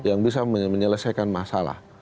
yang bisa menyelesaikan masalah